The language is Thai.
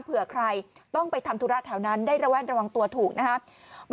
เผื่อใครต้องไปทำธุระแถวนั้นได้ระแวดระวังตัวถูกนะครับ